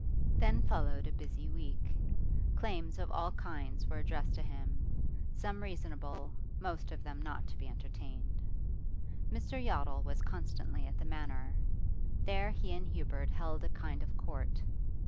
Then followed a busy week. Claims of all kinds were addressed to him, some reasonable, most of them not to be entertained. Mr. Yottle was constantly at the Manor; there he and Hubert held a kind of court.